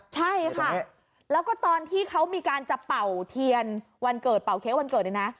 ใช่ค่ะแล้วก็ตอนที่เขามีการจะเป่าเทียนวันเกิดเป่าเค้กวันเกิดเนี่ยนะ